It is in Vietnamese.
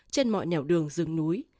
trên mọi nhào đường rừng núi